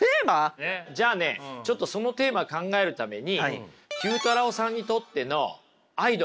じゃあねちょっとそのテーマ考えるために９太郎さんにとってのアイドル。